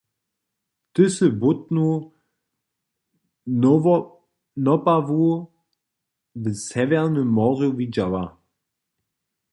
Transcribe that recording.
Ty sy błótnu nopawu w Sewjernym morju widźała.